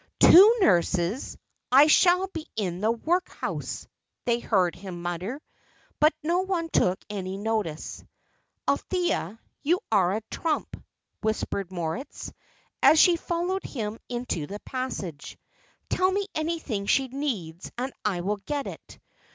"Two nurses! I shall be in the workhouse," they heard him mutter. But no one took any notice. "Althea, you are a trump," whispered Moritz, as she followed him into the passage. "Tell me anything she needs, and I will get it.